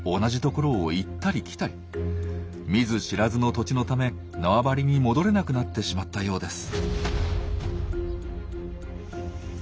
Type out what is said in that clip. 見ず知らずの土地のため縄張りに戻れなくなってしまったようです。